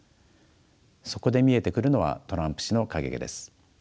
そこで見えてくるのはトランプ氏の影です。